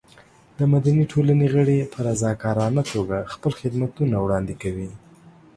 د مدني ټولنې غړي په رضاکارانه توګه خپل خدمتونه وړاندې کوي.